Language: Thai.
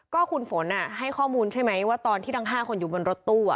ก็คุณฝนให้ข้อมูลใช่ไหมว่าตอนที่ทั้ง๕คนอยู่บนรถตู้